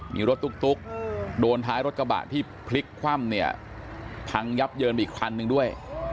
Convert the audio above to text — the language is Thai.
มีรถตุ๊กโดนท้ายรถกระบะที่พลิกคว่ำเนี่ยพังยับเยินไปอีกคันหนึ่งด้วย